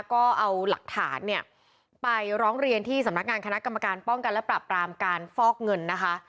ก็เอาหลักฐานเนี่ยไปร้องเรียนที่สำนักงานคณะกรรมการป้องกันและปรับปรามการฟอกเงินนะคะ